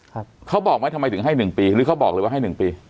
เขาบอกไหมทำไมถึงให้หนึ่งปีหรือเขาบอกเลยว่าให้หนึ่งปี